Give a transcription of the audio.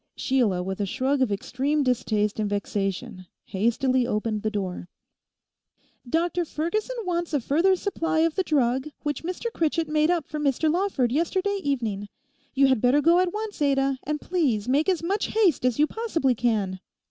Sheila, with a shrug of extreme distaste and vexation, hastily opened the door. 'Dr Ferguson wants a further supply of the drug which Mr Critchett made up for Mr Lawford yesterday evening. You had better go at once, Ada, and please make as much haste as you possibly can.